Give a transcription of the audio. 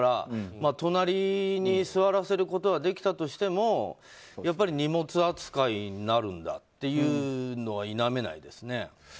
隣に座らせることはできたとしても荷物扱いになるんだというのは否めないですね。